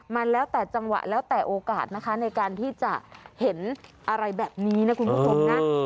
มันแล้วแต่จังหวะแล้วแต่โอกาสนะคะในการที่จะเห็นอะไรแบบนี้นะคุณผู้ชมนะ